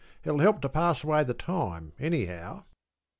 It'll help to pass away the time, anyhow.